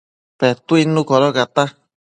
Petuidnu codocata